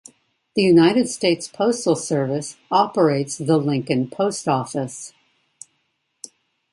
The United States Postal Service operates the Lincoln Post Office.